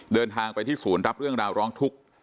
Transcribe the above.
เดินทางไปที่ศูนย์รับเรื่องราวร้องทุกข์